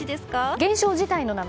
現象自体の名前？